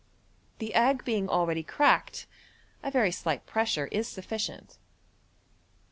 The egg being already cracked, a very slight pressure is sufficient.